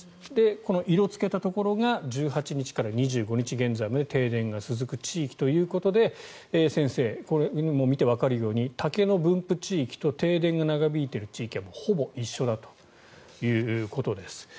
この色をつけたところが１８日から２５日現在まで停電が続く地域ということで先生、これを見てもわかるように竹の分布地域と停電が長引いている地域はほぼ一緒だということです。